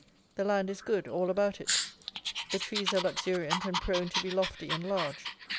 The land is good, all about it. The trees are luxuriant and prone to be lofty and large.